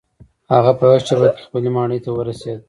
هغه په یوه شیبه کې خپلې ماڼۍ ته ورسید.